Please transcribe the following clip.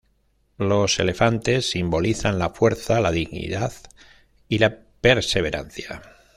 Los elefantes simbolizan la fuerza, la dignidad y la perseverancia.